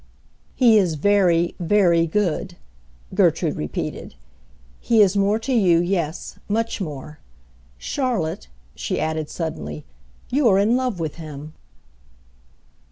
"He is very—very good," Gertrude repeated. "He is more to you; yes, much more. Charlotte," she added suddenly, "you are in love with him!"